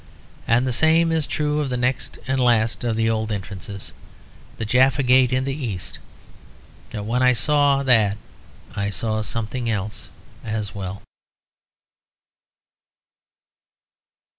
And the same is true of the next and last of the old entrances, the Jaffa Gate in the east; but when I saw that I saw something else as well.